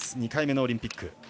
２回目のオリンピック。